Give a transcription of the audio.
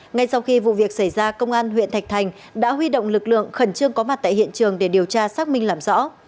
ngay sau khi vụ việc xảy ra công an huyện thạch thành đã huy động lực lượng khẩn trương có mặt tại hiện trường để điều tra xác minh làm rõ